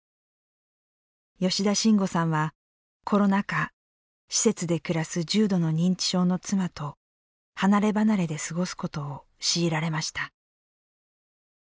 吉田晋悟さんはコロナ禍、施設で暮らす重度の認知症の妻と離ればなれで過ごすことを強いられました。